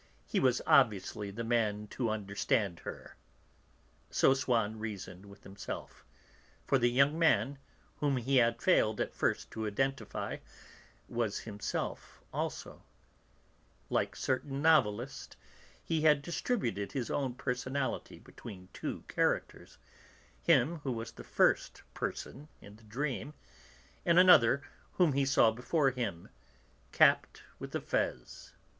He was obviously the man to understand her." So Swann reasoned with himself, for the young man whom he had failed, at first, to identify, was himself also; like certain novelists, he had distributed his own personality between two characters, him who was the 'first person' in the dream, and another whom he saw before him, capped with a fez.